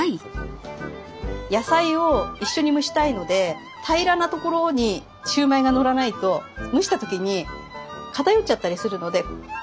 野菜を一緒に蒸したいので平らな所にシューマイがのらないと蒸した時に片寄っちゃったりするので。